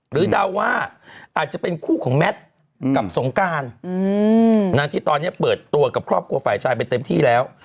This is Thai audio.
เดาว่าอาจจะเป็นคู่ของแมทกับสงการที่ตอนนี้เปิดตัวกับครอบครัวฝ่ายชายไปเต็มที่แล้ว